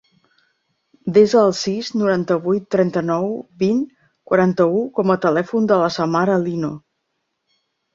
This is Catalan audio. Desa el sis, noranta-vuit, trenta-nou, vint, quaranta-u com a telèfon de la Samara Lino.